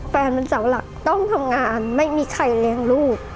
มันเป็นเสาหลักต้องทำงานไม่มีใครเลี้ยงลูก